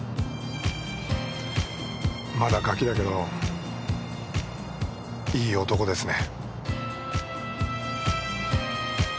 まだガキだけどいい男ですね。